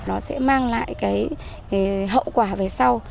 nó sẽ mang lại hậu quả về sau